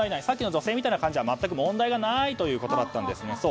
さっきの女性のような形なら全く問題はないということだったんです。